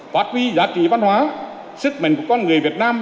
phát huy giá trị văn hóa sức mạnh của con người việt nam